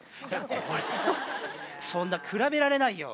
これはそんな比べられないよ。